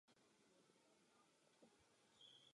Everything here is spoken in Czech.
Vykonal řadu vědeckých cest na Balkán.